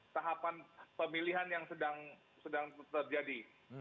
tahapan pemilihan yang sedang terjadi